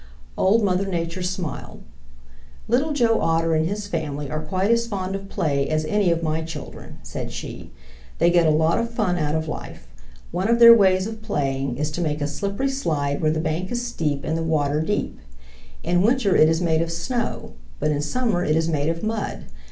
Old Mother Nature smiled. "Little Joe Otter and his family are quite as fond of play as any of my children," said she. "They get a lot of fun out of life. One of their ways of playing is to make a slippery slide where the bank is steep and the water deep. In winter it is made of snow, but in summer it is made of mud.